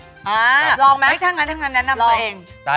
อ่าลองแมคทั้งนั้นแนะนำไปเอง